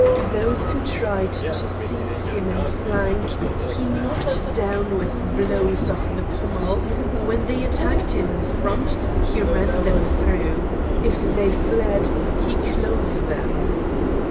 Those who tried to seize him in flank he knocked down with blows of the pommel; when they attacked him in front he ran them through; if they fled he clove them.